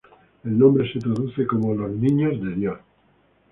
El nombre se traduce como "Los Niños de Dios".